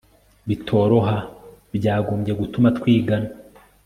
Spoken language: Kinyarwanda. bitoroha byagombye gutuma twigana